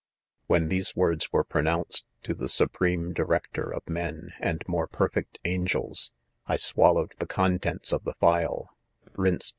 i When these words were pronounced to the supreme director of men and more perfect an gels, I swallowed the contents 'of the phial ; rinced.